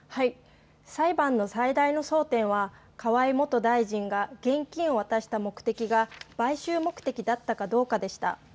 裁判の最大の争点は河井元大臣が現金を渡した目的が買収目的だったかどうかでした。